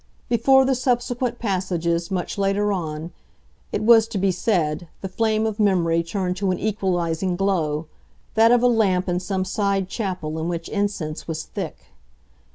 Before the subsequent passages, much later on, it was to be said, the flame of memory turned to an equalising glow, that of a lamp in some side chapel in which incense was thick.